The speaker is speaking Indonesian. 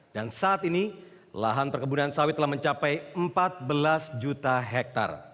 dan saat ini lahan perkebunan sawit telah mencapai empat belas juta hektare